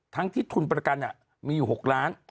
ทั้งที่ทุนประกันมีอยู่๖ล้าน